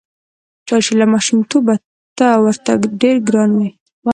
چا چې له ماشومتوبه ته ورته ډېر ګران وې.